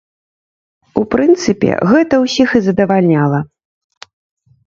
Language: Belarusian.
У прынцыпе, гэта ўсіх і задавальняла.